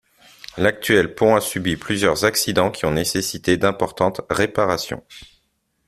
L'actuel pont a subi plusieurs accidents qui ont nécessité d'importantes réparations.